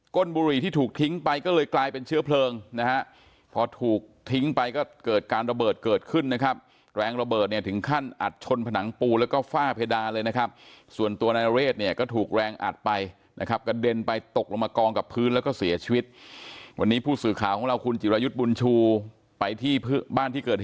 ้นบุหรี่ที่ถูกทิ้งไปก็เลยกลายเป็นเชื้อเพลิงนะฮะพอถูกทิ้งไปก็เกิดการระเบิดเกิดขึ้นนะครับแรงระเบิดเนี่ยถึงขั้นอัดชนผนังปูแล้วก็ฝ้าเพดานเลยนะครับส่วนตัวนายนเรศเนี่ยก็ถูกแรงอัดไปนะครับกระเด็นไปตกลงมากองกับพื้นแล้วก็เสียชีวิตวันนี้ผู้สื่อข่าวของเราคุณจิรายุทธ์บุญชูไปที่บ้านที่เกิด